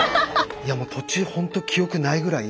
いやもう途中ほんと記憶ないぐらい。